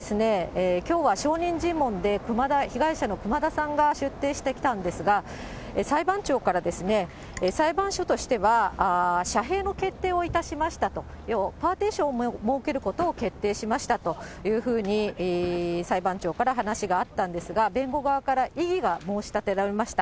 冒頭、きょうは証人尋問で、被害者の熊田さんが出廷してきたんですが、裁判長から、裁判所としては、遮へいの決定をいたしましたと、パーテーションを設けることを決定しましたというふうに、裁判長から話があったんですが、弁護側から異議が申し立てられました。